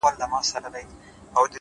بيا تس ته سپكاوى كوي بدرنگه ككــرۍ،